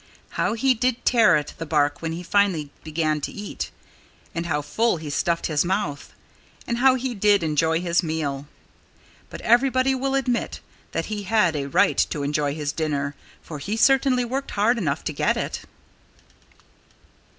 How he did tear at the bark, when he finally began to eat! And how full he stuffed his mouth! And how he did enjoy his meal! But everybody will admit that he had a right to enjoy his dinner, for he certainly worked hard enough to get it.